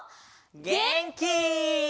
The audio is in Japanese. げんき！